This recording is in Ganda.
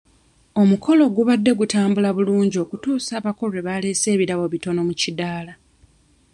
Omukolo gubadde gutambudde bulungi okutuusa abako lwe baleese ebirabo ebitono mu kiddaala.